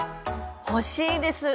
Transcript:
欲しいです！